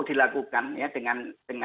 dilakukan ya dengan